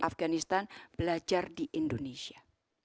afganistan belajar di indonesia